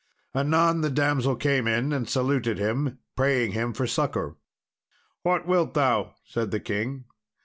Anon the damsel came in and saluted him, praying him for succour. "What wilt thou?" said the king.